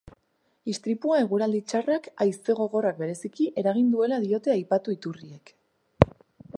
Istripua eguraldi txarrak, haize gogorrak bereziki, eragin duela diote aipatu iturriek.